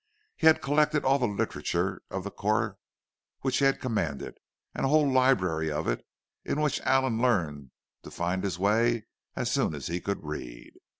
He had collected all the literature of the corps which he had commanded—a whole library of it, in which Allan had learned to find his way as soon as he could read.